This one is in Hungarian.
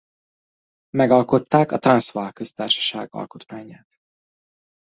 Megalkották a Transvaal Köztársaság alkotmányát.